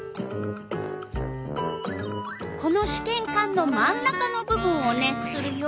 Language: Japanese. このしけんかんの真ん中の部分を熱するよ。